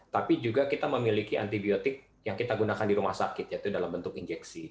tapi juga kita memiliki antibiotik yang kita gunakan di rumah sakit yaitu dalam bentuk injeksi